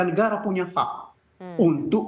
negara punya hak untuk